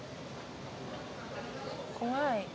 怖い。